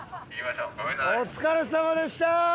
お疲れさまでした！